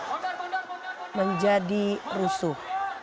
masa yang akhirnya menjadi rusuh